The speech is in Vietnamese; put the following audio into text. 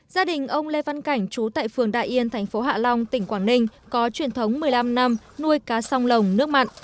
gia đình ông lê văn cảnh chú tại phường đại yên thành phố hạ long tỉnh quảng ninh có truyền thống một mươi năm năm nuôi cá sông lồng nước mặn